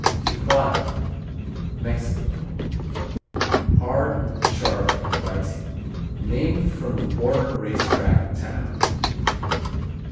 Tijuana Mexico Hard; sharp; biting; named from the border race track town.